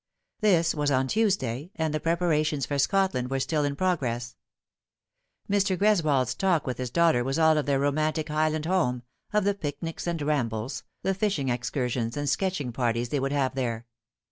This was on Tuesday, and the preparations for Scotland were still in progress. Mr. Q reswold's talk with his daughter was all of their romantic Highland home, of the picnics and rambles, the fishing excursions and sketching parties they would have there.